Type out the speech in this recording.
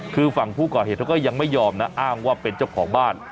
คือฝั่งผู้ก่อเหตุเขาก็ยังไม่ยอมนะอ้างว่าเป็นเจ้าของบ้าน